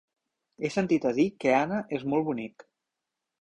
He sentit a dir que Anna és molt bonic.